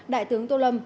đại tướng tô lâm